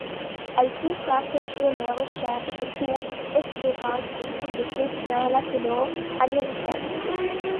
Elle consacre ses recherches aux écrivaines de tout le continent latino-américain.